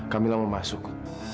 kamilah mau masuk